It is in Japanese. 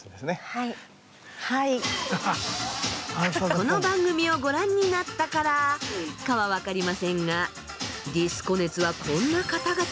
この番組をご覧になったからかは分かりませんがディスコ熱はこんな方々にまで伝ぱします。